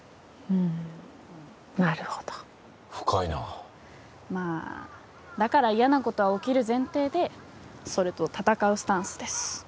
うんなるほど深いなまあだから嫌なことは起きる前提でそれと闘うスタンスです